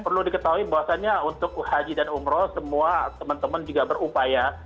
perlu diketahui bahwasannya untuk haji dan umroh semua teman teman juga berupaya